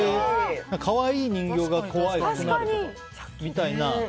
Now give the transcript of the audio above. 可愛い人形が怖くなるみたいな。